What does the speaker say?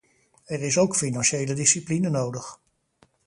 Er is ook financiële discipline nodig.